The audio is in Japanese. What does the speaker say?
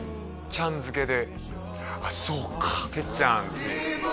ちゃん付けであっそうか「鉄ちゃん」